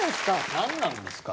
何なんすか？